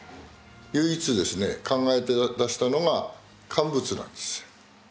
唯一ですね考えて出したのが乾物なんですよ。